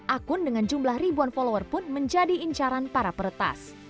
akun dengan jumlah ribuan follower pun menjadi incaran para peretas